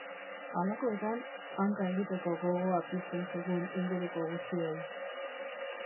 Halakoetan hanka egiteko gogoa pizten zigun inguruko guztioi.